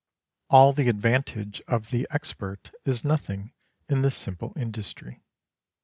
All the advantage of the expert is nothing in this simple industry.